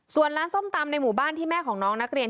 ส่วนร้านส้มตำในหมู่บ้านที่แม่ของน้องนักเรียน